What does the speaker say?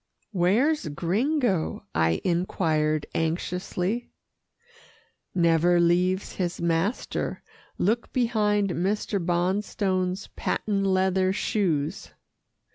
"Where's Gringo?" I inquired anxiously. "Never leaves his master look behind Mr. Bonstone's patent leather shoes."